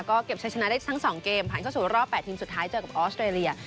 ก็เก็บใช้ชนะได้ทั้ง๒เกมผ่านเข้าสู่รอบ๘ทีมสุดท้ายเจอกับออสเตรเลีย